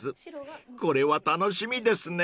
これは楽しみですね］